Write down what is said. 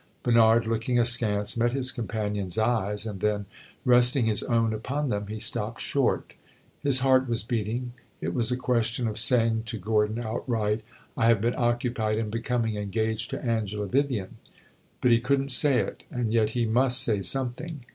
Bernard, looking askance, met his companion's eyes, and then, resting his own upon them, he stopped short. His heart was beating; it was a question of saying to Gordon outright, "I have been occupied in becoming engaged to Angela Vivian." But he could n't say it, and yet he must say something.